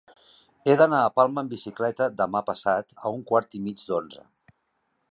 He d'anar a Palma amb bicicleta demà passat a un quart i mig d'onze.